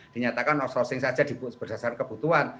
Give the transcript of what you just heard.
dinyatakan outsourcing saja berdasarkan kebutuhan